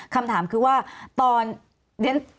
สำหรับกำลังการผลิตหน้ากากอนามัย